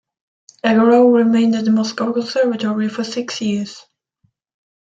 Egorov remained at the Moscow Conservatory for six years.